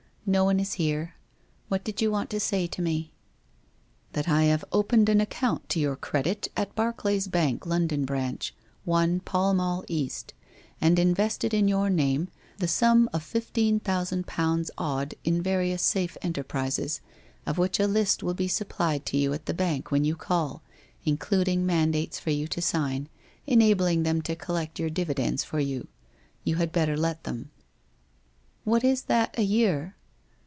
* No one is here. "What did you want to say to me?' ' That I have opened an account to your credit at Bar clay's Bank, London Branch, 1 Pall Mall East, and in vested in your name the sum of fifteen thousand pounds odd in various safe enterprises, of which a list will be sup plied to you at the Bank when you call, including man dates for you to sign, enabling them to collect your divi dends for you. You had better let them.' ' "What is that a vear